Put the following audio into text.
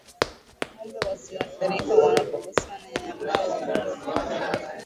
Ngombe wasioathirika wanapogusana na ambao ni wagonjwa huchota vijidudu